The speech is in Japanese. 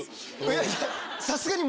さすがに。